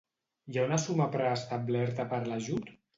Hi ha una suma preestablerta per l'ajut?